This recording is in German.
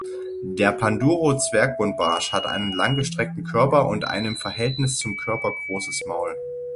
Der Panduro-Zwergbuntbarsch hat einen langgestreckten Körper und ein im Verhältnis zum Körper großes Maul.